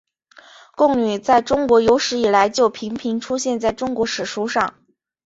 贡女在中国有史以来就频频出现在中国史书中。